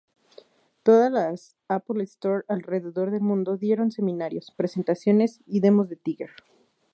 Todas las Apple Store alrededor del mundo dieron seminarios, presentaciones y demos de Tiger.